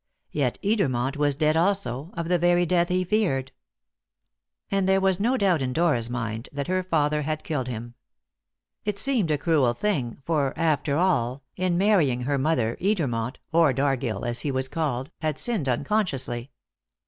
Yet Edermont was dead also, of the very death he feared. And there was no doubt in Dora's mind that her father had killed him. It seemed a cruel thing, for, after all, in marrying her mother Edermont or Dargill, as he was called had sinned unconsciously.